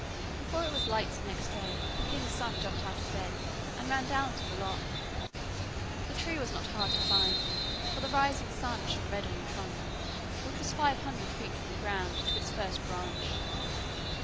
Before it was light next day, the king's son jumped out of bed and ran down to the loch. The tree was not hard to find, for the rising sun shone red on the trunk, which was five hundred feet from the ground to its first branch.